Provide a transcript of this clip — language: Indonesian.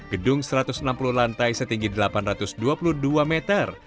gedung satu ratus enam puluh lantai setinggi delapan ratus dua puluh dua meter